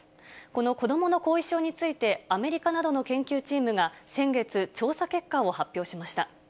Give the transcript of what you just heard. この子どもの後遺症について、アメリカなどの研究チームが先月、調査結果を発表しました。